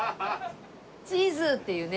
チーズ！っていうね。